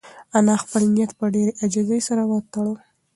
انا خپل نیت په ډېرې عاجزۍ سره وتاړه.